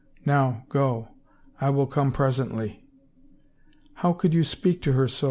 Now, go. ... I will come pres ently." " How could you speak to her so